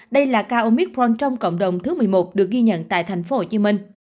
đây là ca omicron trong cộng đồng thứ một mươi một được ghi nhận tại tp hcm